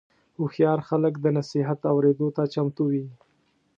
هوښیار خلک د نصیحت اورېدو ته چمتو وي.